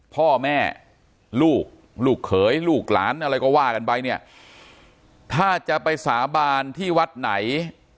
พ่อแม่ลูกลูกเขยลูกหลานอะไรก็ว่ากันไปเนี่ยถ้าจะไปสาบานที่วัดไหน